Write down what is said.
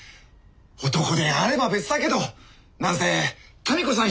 男手あれば別だけどなんせ民子さん